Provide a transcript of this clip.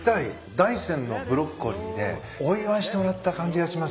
大山のブロッコリーでお祝いしてもらった感じがしますね。